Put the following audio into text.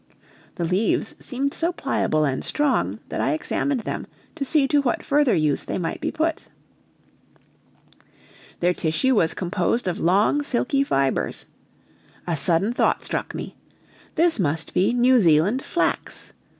The leaves seemed so pliable and strong that I examined them to see to what further use they might be put. Their tissue was composed of long silky fibers. A sudden thought struck me this must be New Zealand flax.